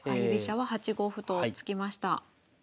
居飛車は８五歩と突きました。